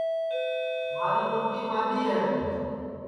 مھاری مُرگی مادؔی ہے